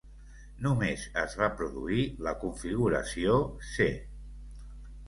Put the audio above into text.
Només es va produir la configuració C.